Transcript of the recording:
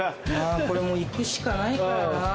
これもう行くしかないからな。